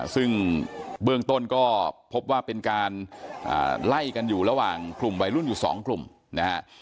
ซึ่งเบื้องต้นก็พบว่าเป็นการไล่กันอยู่ระหว่างกลุ่มวัยรุ่นอยู่สองกลุ่มนะฮะ